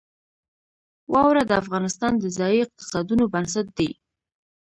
واوره د افغانستان د ځایي اقتصادونو بنسټ دی.